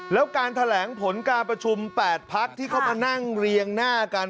แล้วการแถลงผลการประชุม๘พักที่เข้ามานั่งเรียงหน้ากัน